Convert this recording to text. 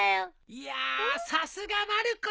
いやさすがまる子じゃ。